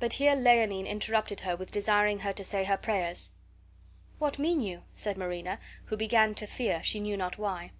But here Leonine interrupted her with desiring her to say her prayers. "What mean you?" said Marina, who began to fear, she knew not why.